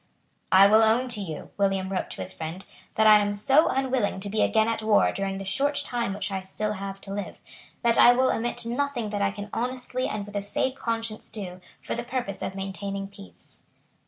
"I will own to you," William wrote to his friend, "that I am so unwilling to be again at war during the short time which I still have to live, that I will omit nothing that I can honestly and with a safe conscience do for the purpose of maintaining peace."